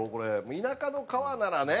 田舎の川ならね